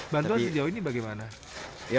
bantuan di jauh ini bagaimana